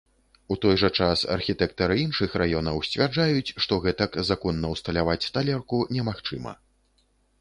У той жа час архітэктары іншых раёнаў сцвярджаюць, што гэтак законна ўсталяваць талерку немагчыма.